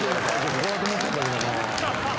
ここだと思ったけどな。